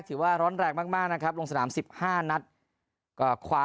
แรกถือว่าร้อนแรกมากนะครับลงสนามสิบห้านัดก็คว้า